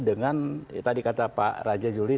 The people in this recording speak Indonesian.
dengan tadi kata pak raja juli